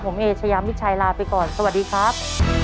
ผมเอเชยามิชัยลาไปก่อนสวัสดีครับ